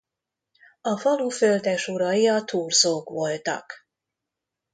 A falu földesurai a Thurzók voltak.